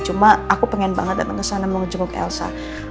cuma aku pengen banget datang ke sana mau jenguk elsa